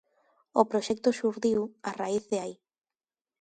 O proxecto xurdiu a raíz de aí.